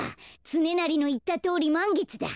つねなりのいったとおりまんげつだ。